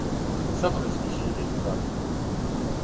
Само да смо ми живи и здрави.